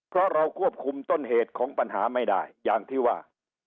เพราะเราควบคุมต้นเหตุของปัญหาไม่ได้อย่างที่ว่า